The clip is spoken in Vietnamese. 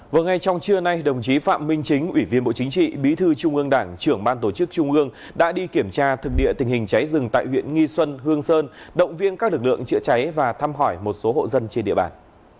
vào ngay trong trưa nay đồng chí phạm minh chính ủy viên bộ chính trị bí thư trung ương đảng trưởng ban tổ chức trung ương đã đi kiểm tra thực địa tình hình cháy rừng tại huyện nghi xuân hương sơn động viên các lực lượng chữa cháy và thăm hỏi một số hộ dân trên địa bàn